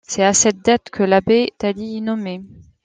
C’est à cette date que l’abbé Talis est nommé.